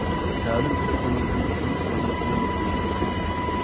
تەلىم ئېلىپ ئۇنىڭدىن، تۇرۇپ قالماسمەن مەڭدەپ.